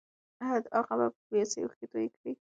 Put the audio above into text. هغه په بې وسۍ اوښکې توې کړې.